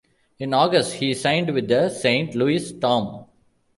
In August, he signed with the Saint Louis Storm.